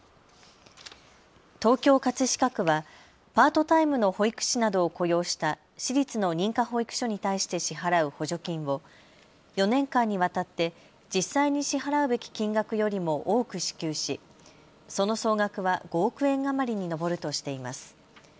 東京葛飾区はパートタイムの保育士などを雇用した私立の認可保育所に対して支払う補助金を４年間にわたって実際に支払うべき金額よりも多く支給しその総額は５億円余りに上るとしています。